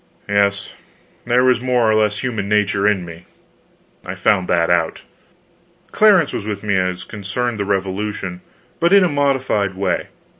Yes, there was more or less human nature in me; I found that out. Clarence was with me as concerned the revolution, but in a modified way.